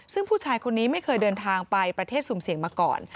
ซึ่งผู้ชายคนนี้ไม่เคยเดินทางไปประเทศสุ่มเสี่ยงมาก่อน